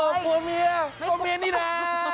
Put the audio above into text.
พ่อโทษกลัวเมียนี่นะ